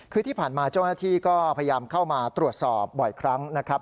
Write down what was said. คือที่ผ่านมาเจ้าหน้าที่ก็พยายามเข้ามาตรวจสอบบ่อยครั้งนะครับ